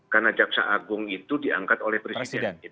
karena jaksa agung itu diangkat oleh presiden